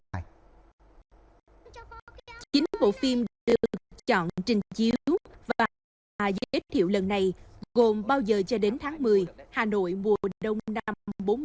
chính bộ phim được chọn trình chiếu và giới thiệu lần này gồm bao giờ cho đến tháng một mươi hà nội mùa đông năm bốn mươi sáu